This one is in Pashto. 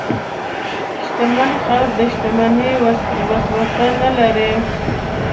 شتمن خلک د شتمنۍ وسوسه نه لري.